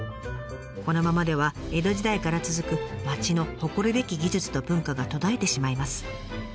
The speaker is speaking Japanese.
このままでは江戸時代から続く町の誇るべき技術と文化が途絶えてしまいます。